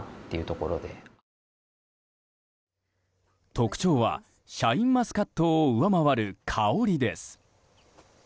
特徴はシャインマスカットを上回る香りです。